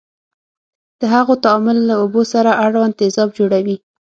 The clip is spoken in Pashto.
د هغو تعامل له اوبو سره اړوند تیزاب جوړوي.